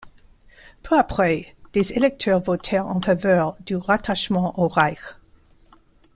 Peu après, des électeurs votèrent en faveur du rattachement au Reich.